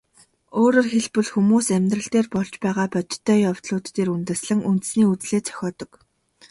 Өөрөөр хэлбэл, хүмүүс амьдрал дээр болж байгаа бодтой явдлууд дээр үндэслэн үндэсний үзлээ зохиодог.